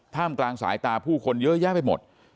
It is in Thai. กลางสายตาผู้คนเยอะแยะไปหมด